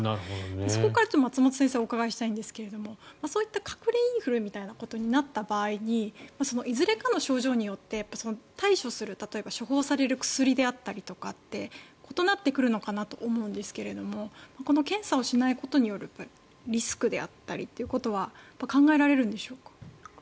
そこから松本先生にお伺いしたいんですがそういった隠れインフルみたいなことになった場合にいずれかの症状によって対処する例えば処方される薬であったりとかって異なってくるのかなと思うんですがこの検査をしないことによるリスクだったりということは考えられるんでしょうか。